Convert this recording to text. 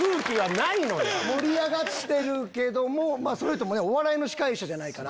盛り上がってるけどもその人もねお笑いの司会者じゃないから。